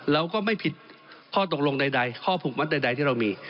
เราก็ไม่ผิดข้อตกลงใดข้อผูกมัดใดที่เรามี